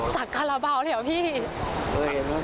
สักคาราบาลเต็มโรง